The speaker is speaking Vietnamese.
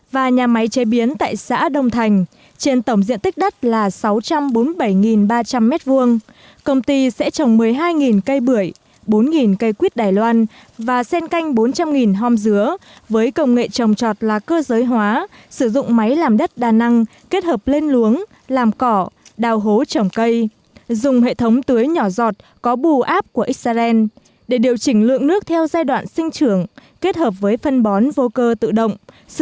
và nhà máy chế biến tại xã đông thành trên tổng diện tích đất là sáu trăm bốn mươi bảy ba trăm linh m hai công ty sẽ trồng một mươi hai cây bưởi bốn cây quyết đài loan và sen canh bốn trăm linh hom dứa với công nghệ trồng trọt là cơ giới hóa sử dụng máy làm đất đa năng kết hợp lên luống làm cỏ đào hố trồng cây dùng hệ thống tưới nhỏ giọt có bù áp của xrn để điều chỉnh lượng nước theo giai đoạn sinh trưởng kết hợp với phân bón vô cơ tự động